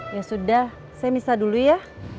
ya sudah saya misah dulu ya